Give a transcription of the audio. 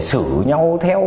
sử nhau theo